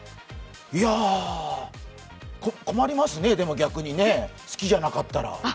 困りますね、でも逆にね、好きじゃなかったら。